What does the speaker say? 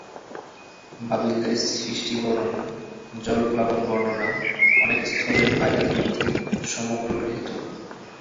বাবিলদের সৃষ্টিবর্ণনা, জলপ্লাবনবর্ণনা অনেক স্থলে বাইবেল গ্রন্থে সমগ্র গৃহীত।